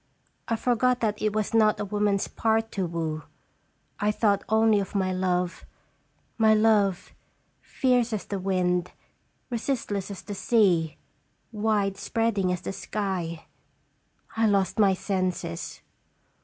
I forgot that it was not a woman's part to woo. I thought only of my love my love, fierce as the wind, resistless as the sea, wide spreading as the sky ! I lost my senses.